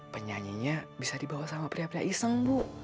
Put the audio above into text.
penyanyinya bisa dibawa sama pria pria iseng bu